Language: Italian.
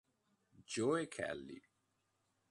Joe Kelly